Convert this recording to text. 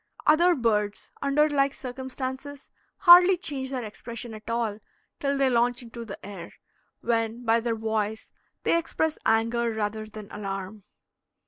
Other birds, under like circumstances, hardly change their expression at all till they launch into the air, when by their voice they express anger rather than alarm.